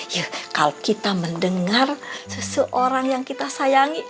ya kalau kita mendengar seseorang yang kita sayangi